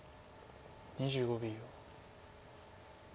２５秒。